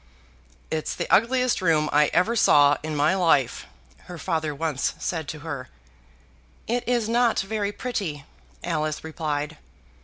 "It's the ugliest room I ever saw in my life," her father once said to her. "It is not very pretty," Alice replied.